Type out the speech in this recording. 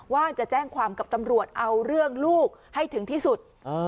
ว่าจะแจ้งความกับตำรวจเอาเรื่องลูกให้ถึงที่สุด